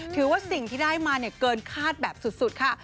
ถือว่าสิ่งที่ได้มาเกินคาดแบบสุดค่ะ